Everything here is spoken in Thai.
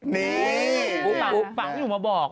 นี่ฟังอยู่มาบอก